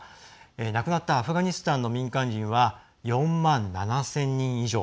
亡くなったアフガニスタンの民間人は４万７０００人以上。